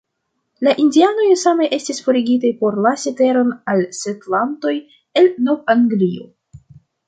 La indianoj same estis forigitaj por lasi teron al setlantoj el Nov-Anglio.